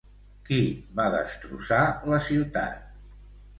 Qui va destrossar la ciutat?